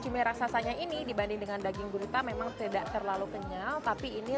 cumi raksasanya ini dibanding dengan daging gurita memang tidak terlalu kenyal tapi ini